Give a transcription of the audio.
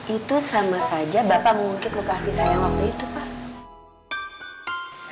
itu sama saja bapak mengungkit luka hati saya waktu itu pak